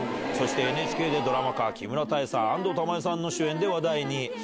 そしてＮＨＫでドラマ化、木村多江さん、安藤玉恵さんの主演で話題に。